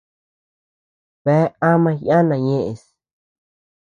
Bea ama yana ñeʼes.